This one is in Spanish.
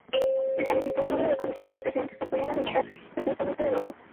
Janis citó un número de condiciones antecedentes que podrían alentar el pensamiento de grupo.